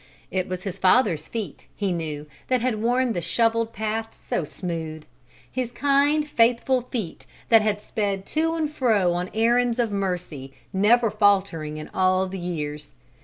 It was his father's feet, he knew, that had worn the shoveled path so smooth; his kind, faithful feet that had sped to and fro on errands of mercy, never faltering in all the years.